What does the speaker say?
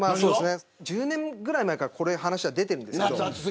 １０年ぐらい前からこの話は出てるんです。